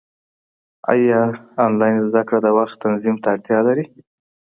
ايا انلاين زده کړه د وخت تنظيم ته اړتیا لري؟